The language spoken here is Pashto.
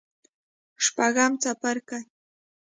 شپږم څپرکی